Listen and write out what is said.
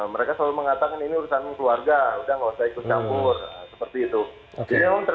mereka selalu mengatakan ini urusan keluarga udah gak usah ikut campur seperti itu